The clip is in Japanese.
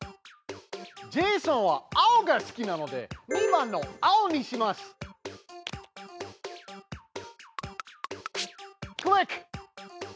ジェイソンは青が好きなので２番の青にします！クリック！